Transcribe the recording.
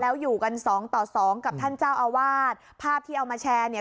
แล้วอยู่กันสองต่อสองกับท่านเจ้าอาวาสภาพที่เอามาแชร์เนี่ย